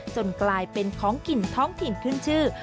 กลายเป็นของกินท้องถิ่นขึ้นชื่อ